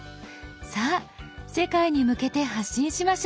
さあ世界に向けて発信しましょう！